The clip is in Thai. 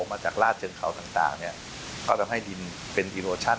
มาจากลาดเจนเขาต่างก็ทำให้ดินเป็นอิโลชั่น